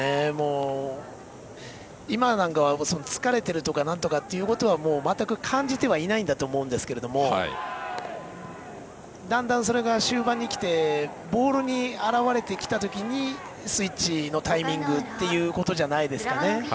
今は疲れているとかなんとかということは全く感じていないと思うんですけどもだんだんそれが終盤に来てボールに表れてきたときにスイッチのタイミングということじゃないですかね。